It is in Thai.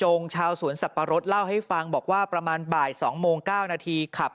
หลังจากพบศพผู้หญิงปริศนาตายตรงนี้ครับ